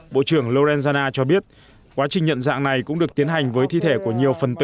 bộ trưởng lorenzana cho biết quá trình nhận dạng này cũng được tiến hành với thi thể của nhiều phần tử